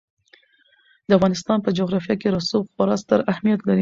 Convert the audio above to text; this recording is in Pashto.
د افغانستان په جغرافیه کې رسوب خورا ستر اهمیت لري.